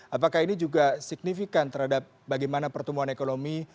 apakah ini juga signifikan terhadap bagaimana pertumbuhan ekonomi